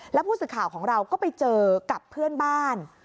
แล้วผู้สื่อข่าวของเราก็ไปเจอกับเพื่อนบ้าน